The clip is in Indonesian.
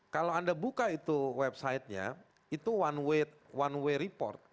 kalau anda buka itu websitenya itu one way report